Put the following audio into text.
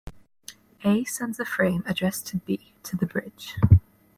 A sends a frame addressed to B to the bridge.